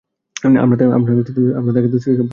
আমরা তাকে দোষী সাব্যস্ত করব না।